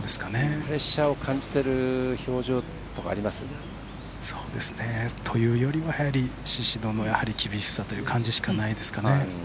プレッシャーを感じてる表情とかあります？というよりは、やはり宍戸の厳しさという感じしかないですかね。